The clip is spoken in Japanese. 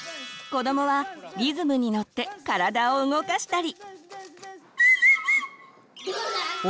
子どもはリズムにのって体を動かしたり。